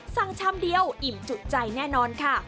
ชามเดียวอิ่มจุใจแน่นอนค่ะ